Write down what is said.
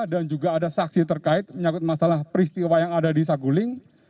dan juga ada saksi terkait menyangkut masalah peristiwa yang ada di saguling